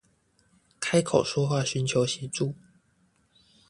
開口說話尋求協助